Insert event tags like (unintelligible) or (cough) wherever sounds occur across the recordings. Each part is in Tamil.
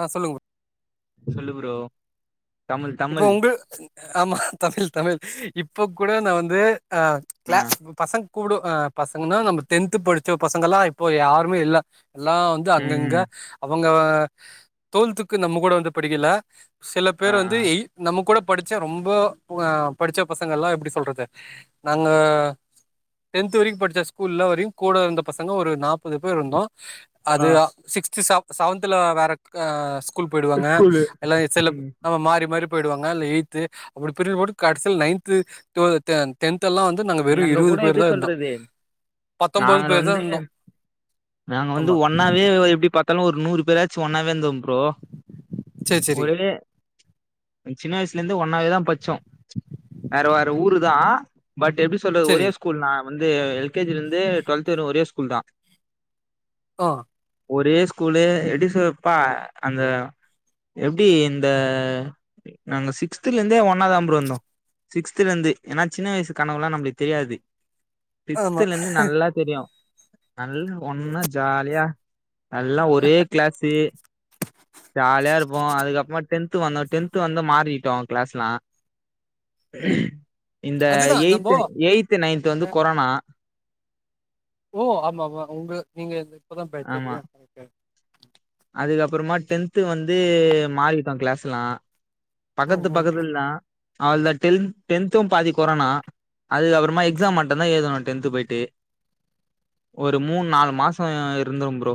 ஆ சொல்லுங்க ப்ரோ சொல்லு ப்ரோ தமிழ் இப்போ தமிழ் உங்க ஆமா தமிழ் தமிழ் இப்போ கூட நா வந்து ஆ ஆ கிளாஸ் பசங்க கூப்டு ஆ பசங்கன்னா நம்ம டென்த் படிச்சோ பசங்கல்லா இப்போ யாருமே இல்ல எல்லா வந்து ம் அங்கங்க ம் அவங்க டுவல்த்துக்கு நம்ம கூட வந்து படிக்கல சில ஆ பேர் வந்து எய் நம்ம கூட படிச்ச ரொம்ப ஆ படிச்ச பசங்கல்லா எப்டி சொல்றது நாங்க டென்த் வரைக்கு படிச்ச ஸ்கூல்ல வரையு கூட இருந்த பசங்க ஒரு நாப்பது பேர் இருந்தோ அது ஆ சிக்ஸ்த் செவ செவன்தல வேற ஆ ஸ்கூல் போயிடுவாங்க ஸ்கூலு எல்லா சில ம் ஆமா மாறி மாரி போயிடுவாங்க இல்னா எய்த்து அப்டி பிரிஞ்சு போட்டு கடசில் நைன்த்து டுவல் டெ டென்த்தெல்லா வந் து நாங்க வெறு எங்க இருவது கூட எப்டி பேர்தா இர்ந்தோ சொல்றது பத்தொம்பது நாங்க பேர்தா வந்து இந்தோ. நாங்க வந்து ஒன்னாது எப்டி பாத்தாலு ஒரு நூறு பேராச்சு ஒன்னாவே இருந்தோ ப்ரோ சேரி சேரி ஒரே சின்ன வயசுல இருந்தே ஒண்ணாவே தா பச்சோ வேற வேற ஊரு தா பட் எப்டி சொல்றது ஒரே சேரி ஸ்கூல் நா வந்து எல்கேஜில இருந்தே டுவெல்த் வர ஒரே ஸ்கூல் தா ஆ ஒரே ஸ்கூலு எப்டி சொல் பா அந்த எப்டி இந்த நாங்க சிக்ஸ்துல இருந்தே ஒன்னாதா ப்ரோ இருந்தோ சிக்ஸ்துல இருந்து எனா சின்ன வய்சு கனவுலா நம்ளுக் தெரியாது ஆமா சிக்ஸ்துல இருந்து நல்லா தெரியு நல்ல ஒன்னா ஜாலியா நல்லா ஒரே க்ளாஸு ஜாலியா இருப்போ அதுக்கப்றமா டென்த் வந்தோ டென்த் வந்து மாறிட்டோ க்ளாஸ்லா ஆமா இந்த அதுதா நம்போ எய்து எய்து நைன்து வந்து கொரோனா ஓ ஆமா ஆமா உங்க நீங்க என்ட இப்பதா ஆமா பேச்சறியா கரெக்ட் கரெக்ட் அதுக்கப்புறமா டென்து வந்து மாறிட்டோ க்ளாஸ்லா ஓ பக்கத்து ஓ பக்கத்துலதா அவளதா டென்த் டென்த்து பாதி கொரோனா அதுக்கப்றமா எக்ஸாம் மட்டுதா எழுதணோ டென்த் போய்ட்டு ஒரு மூண் நால் மாசோ இருந்தோ ப்ரோ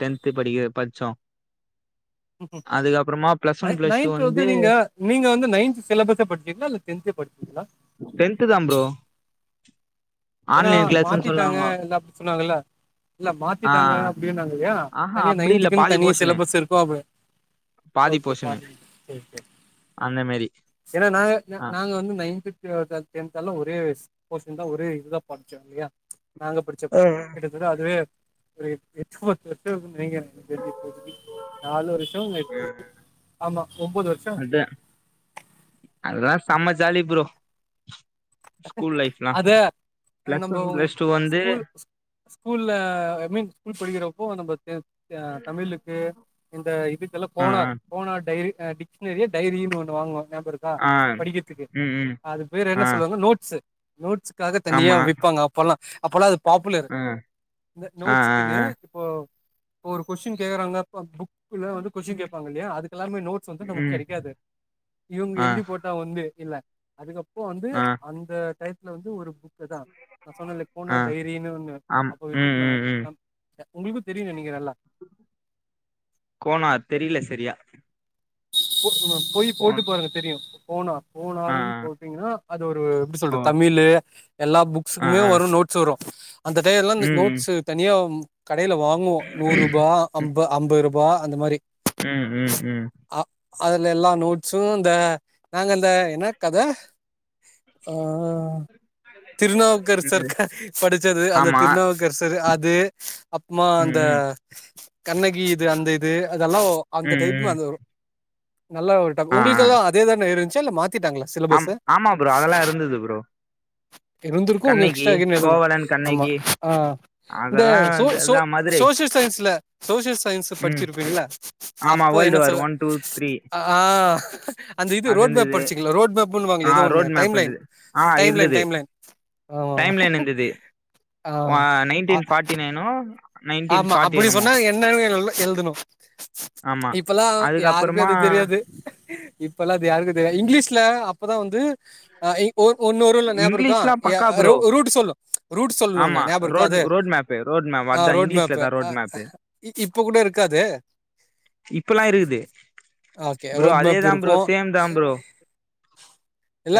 டென்த் படிக்க படிச்சோ அதுக்கப்பறமா plus one plus two ninth வந்து நீங்க நீங்க வந்து நையந்த் சிலபஸ படுச்சீங்களா இல்ல டென்தே படுச்சீங்களா டென்துதா ப்ரோ ஏனா ஆன்லைன் கிளாஸ்ன்னு மாத்திட்டாங்க சொல்லுவாங்க இல்ல அப்டி சொன்னாங்கல்ல இல்ல ஆ மாத்திட்டாங்க அப்டினாங்கய்யா ஆஹா தனியா அப்டி இல்ல நைன்துக்கு பாதி தனிய போஷனு சிலபஸ் இருக்கும் அவ் பாதி போசனு சரி அந்த மேரி ஏன்னா நாக நாங்க வந்து நைன்து டெ டெ டென்துள்ளா ஒரே போஷன் தான் ஒரே இதுதான் படிச்சோம் இல்லையா நாங்க ஆ படிச்சப்போ விடு அதுவே ஒரு (unintelligible) நாலு ஒரு அ வருஷோ அதா அதான் செம ஜாலி ப்ரோ ஸ்கூல் லைஃப்லா அது பிளஸ் நம்போ ஒன் பிளஸ் டூ வந்து ஸ்கூல் ஸ்கூல்ல ஐ மீன் ஸ்கூல் படிக்கிறப்போ நம்ம தே த தமிழுக்கு இந்த இதுக்குல ஆ ஆ கோனார் கோனார் டைரி டிக்ஷ்னரி டைரின்னு ஒன்னு வாங்குவாங்க நியாபகம் இருக் தா ஆ படிக்கிற்துக்கு ம் ம் அது பேர் என்ன ஆ நோட்ஸு நோட்ஸுக்காக தனியா ஆமா விப்பாங்க அப்பொல்லா அப்பொல்லா அது பாப்புலரு ஆ இந்த ஆ நோட்ஸ்க்குனு ஆ ஆ ப்போ ப்போ ஒரு கொஸின் கேக்கறாங்க ப புக் குல வந்து கொஸ்ஸின் கேப்பாங்க இல்லியா அதுக்கெல்லாமே நோட்ஸ் வந்து நமக்கு ம் கெடைக்காது இவுங்க ஆ எழுதி போ ட்டா வந்து இல்ல அதுக்கப்பு வந்து ஆ அந்த டையத்துல வந்து ஒரு புக் அதுதா நா சொன்னல்ல ஆ கோனார் டைரின்னு ஒண்ணு ஆம் அப்ப ம் வித்துட்ந்தாங்க ம் ம் அ அ உங்குளுக்கு தெரியு நெனைக்கிறே எல்லா கோனார் தெரில செரியா. போ அ போயி போட்டு கோண் பாருங்க தெரியு கோனா. ஆ போனாருன் ஆ போட்டிங்கனா அது ஒரு எப்டி ஓ சொல்றது தமிழு எல்லா ஆ புக்ஸ்க்குமே ஆ வரு நோ ட்ஸ் வரு அந்த டையல்லா இந்த ம் ம் நோட்ஸு தனியா ம் கடையில வாங்குவோ நூறுபா அம்பா அம்பது ருபா அந்த மாரி. ம் ம் ம். அ அதுல எல்லா நோட்ஸு இந்த நாங்க இந்த என்ன கத ஆ திருநாவுக்கரசர் ம் கத படிச்சது அந்த ஆமா திருநாவுக்கரசர் அது அப்மா ம் அந்த ம் கண்ணகி இது அந்த இது அதெல்லா ஒ அந்த ம் டைப்மு ம் அது வரு. நல்லா ஒரு டாக் ஆ ஆ உங்குளுக்கள்லா அதே தான இருஞ்ச்சா இல்ல மாத்திட்டாங்களா? ஆம் சிலபஸ் ஆமா ப்ரோ அதெல்லா இருந்தது ப்ரோ. இருந்திருக்கு இன்னு கண்ணகி எக்ஸ்ட்ரா எகைன் எதுமு கோவலன் ஆமா கண்ணகி ஆ ஆ இந்த அதெல்லா சோ இது சோ அதா மதுரை சோசியஸ் சயின்ஸ்ல சோசியல் சயின்ஸு ம் படிச்சிருப்பீங்கள்ல அப்போ என்ன சொ திரி ஆ அந்த இது ரோட் மேப் இருந்தது படிச்சிங்ளா ரோட் மேப்ன் வாங்ளே ஆ எதோ ஒண்ணு ரோட் மேப் டைம் லைன் இருந்தது ஆ டைம் லைன் இருந்தது டைம் லைன் ஆமா ஆ வ நைன்டீன் ஃபாட்டி நைனு ஆமா அப்பிடி சொன்னா என்னல் வேலெல்ல எழுதுணு. ஆமா இப்பல்லா யாருக்கு அதுக்கப்புறமா அது தெரியாது. இப்பல்லா அது யாருக்கு தெரியா இங்கிலீஷ்ல அப்பதா வந்து அ எய் ஒ ஒன்னு வருல்ல ஞாபு இருக்கா இங்கிலீஷ்லா எ பக்கா அ ப்ரோ ரோ ரூட்டு சொல்லு ரூட்டு சொல்னுனு ஞாபு இருக்கா அது. ன் மேப்பு ரோட் மே வா அ ரோட் மேப்பு அ அக இ இப்ப கூட இருக்கா அது? இப்பல்லா இருக்குது ஓகே ப்ரோ ரோட் அதே மேப் தாம் ப்ரோ இருக்கும் சேம் தா ப்ரோ.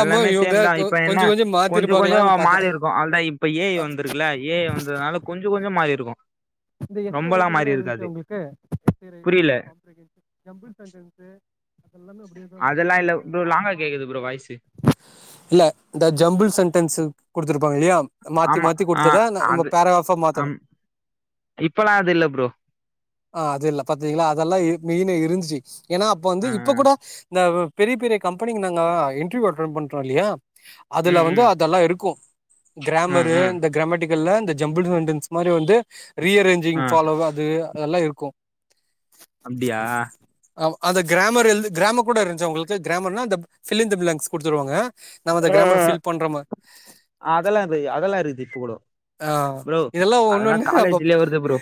எல்லாமே இவங்க சேம் தா கொ- இப்ப என்ன கொஞ்சம் கொஞ்சம் கொஞ்சொ கொஞ்சொ மாத்திருப்பாங்களான்னு பார்த்தேன் மாறி இருக்கு அவ்ள்தா இப்ப ஏ ய் வ ந்துருக்குல ஏ ஜ வந்ததுனால கொஞ்சொ கொஞ்சொ மாறி இருக்கு. இந்த எஸ்ஏ ரொம்பலா ரைட்டிங் எல்லா மாறி இருஞ்ச்சா இருக்காது உங்குளுக்கு எஸ்ஏ புரியல ரைட்டிங்கு, காம்ப்ரிஹென்சி, ஜம்புள் சென்டன்ஸு. அதெல்லா இல்ல ப்ரோ லாங்கா கேக்குது ப்ரோ வாய்சு. இல்ல இந்த ஜம்புள் சென்டென்ஸ் குடுத்துருப்பாங்க இல்லியா? மாத்தி ஆமா மாத்தி ஆ குடுத்தத ந அது பேரகிராஃபா மாத்தறது. அம் இப்பல்லா அது இல்ல ப்ரோ. ஆ அது இல்ல பாத்திங்களா அதெல்லா இ மெயினா இருஞ்ச்சி ஏனா அப்ப வந்து ஆ இப்ப கூட த வு பெரிய பெரிய கம்பெனிக்கு நாங்கோ இன்ட்ர்வ்யூ அட்டோன் பண்றோ இல்லியா? அதுல ம் வந்து ம் அதெல்லா இருக்கு ஆ கிராமரு ஆ இந்த கிரமேட்டிக் கள்ல இந்த ஜம்புள்டு சென்டன்ஸ் மாரி வந்து ரீ அரேஞ்சிங் ஆ ஃபாலோவ து அதெல்லா இருக்கு. அப்டியா? அவ் அந்த க்ராமர் எழ்து க்ராம கூட இருந்ச்சா உங்களுக்கு க்ராமர்னா அந்தப் ஃபில் இந்த ப்ளாங்க்ஸ் குடுத்துருவாங்க நம இந்த க்ராமர் ஃபில் பண்றோமா ஆ அதெல்லா இதுய் அதெல்லா இருக்குது இப்ப கூடோ ஆவ் இதெல்லா ஒண்ணு ஒண்ணு அப்பப் வருது ப்ரோ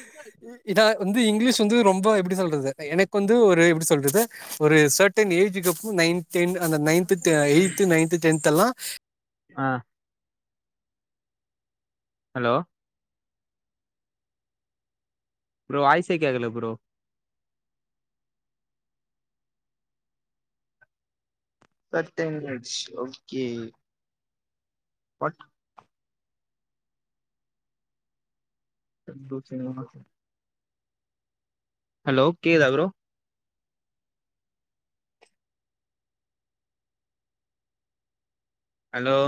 இதா வந்து இங்க்லீஷ் வந்து ரொம்ப எப்டி சொல்றது எனக்கு வந்து ஒரு எப்டி சொல்றத ஒரு சர்டன் ஏஜுக்கு அப்பு நைன் டென் அந்த நைன்த்துட்ட எய்த் நைந்த் டென்த் எல்லா ஆ ஹலோ ப்ரோ வாய்சே கேக்கல bro for ten minutes okay what ten booth single மார்க்ஸா ஹலோ கேதா ப்ரோ அலோ